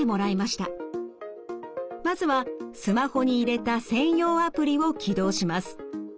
まずはスマホに入れた専用アプリを起動します。